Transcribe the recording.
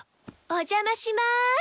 おじゃまします。